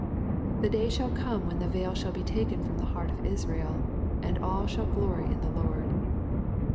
The day shall come when the veil shall be taken from the heart of Israel, and all shall ^^ glory in the Lord."